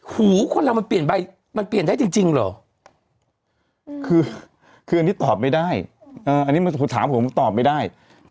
คืออันนี้ตอบไม่ได้อันนี้คุณถามผมตอบไม่ได้